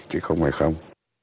chứ không phải không